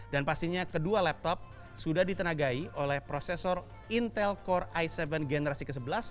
dan pastinya kedua laptop sudah ditenagai oleh prosesor intel core i tujuh generasi ke sebelas